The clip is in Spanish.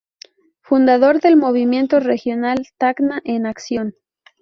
Fundador del Movimiento Regional Tacna en Acción.